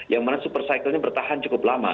yang mana super cycle nya bertahan cukup lama